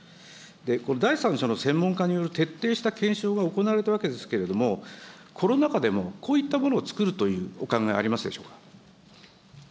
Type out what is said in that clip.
この第三者の専門家による徹底した検証が行われたわけですけれども、コロナ禍でもこういったものを作るというお考えありますでしょうか。